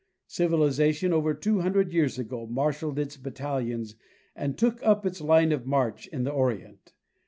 Civiliza tion over two hundred years ago marshalled its battalions and took up its line of march in the Orient.